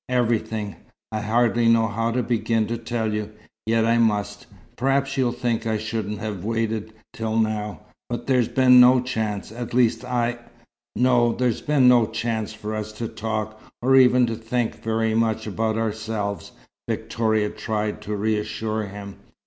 "Everything. I hardly know how to begin to tell you. Yet I must. Perhaps you'll think I shouldn't have waited till now. But there's been no chance at least, I " "No, there's been no chance for us to talk, or even to think very much about ourselves," Victoria tried to reassure him.